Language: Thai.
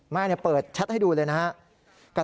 แม่เนี่ยเปิดแชทให้ดูเลยนะครับ